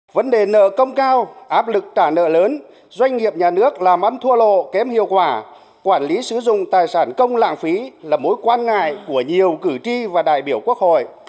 vấn đề nợ công cao áp lực trả nợ lớn doanh nghiệp nhà nước làm ăn thua lộ kém hiệu quả quản lý sử dụng tài sản công lãng phí là mối quan ngại của nhiều cử tri và đại biểu quốc hội